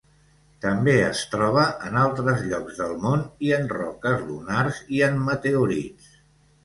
També es troba en altres llocs del món i en roques lunars i en meteorits.